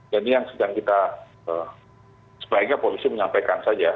jadi yang sedang kita sebaiknya polisi menyampaikan saja